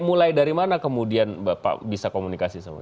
mulai dari mana kemudian bapak bisa komunikasi sama